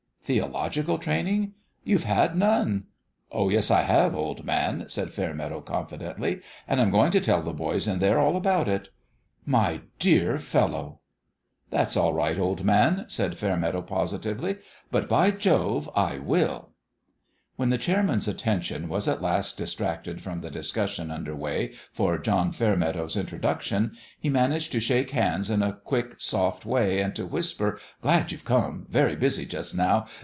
" Theological training ? You've had none !"" Oh, yes, I have, old man !" said Fairmeadow, IN HIS OWN BEHALF confidently. " And I'm going to tell the boys in there all about it." " My dear fellow !"" That's all right, old man," said Fairmeadow, positively ;" but by Jove, I will /" When the chairman's attention was at last distracted from the discussion under way for John Fairmeadow's introduction, he managed to shake hands in a quick, soft way, and to whisper, " Glad you've come. Very busy, just now.